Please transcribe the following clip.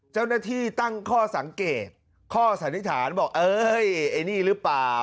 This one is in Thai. เจ้าหน้าที่ตั้งข้อสังเกตข้อสันนิษฐานบอกเอ้ยไอ้นี่หรือเปล่า